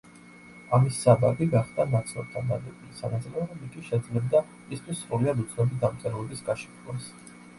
ამის საბაბი გახდა ნაცნობთან დადებული სანაძლეო, რომ იგი შეძლებდა მისთვის სრულიად უცნობი დამწერლობის გაშიფვრას.